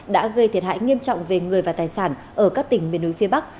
đã gây thiệt hại nghiêm trọng về người và tài sản ở các tỉnh miền núi phía bắc